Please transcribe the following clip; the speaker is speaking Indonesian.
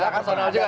personal juga ya